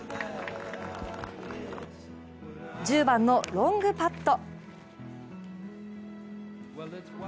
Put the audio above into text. １０番のロングパット。